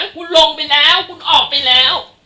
คุณลงไปแล้วคุณออกไปแล้ว